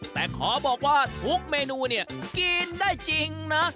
แต่ขอบอกว่าทุกเมนูเนี่ยกินได้จริงนะ